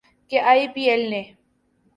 کہ I P L نے